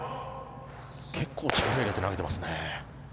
結構力を入れて投げてますね。